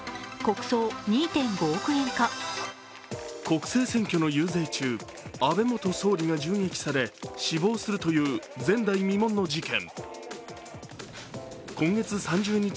国政選挙の遊説中安倍元総理が銃撃され死亡するという前代未聞の事件。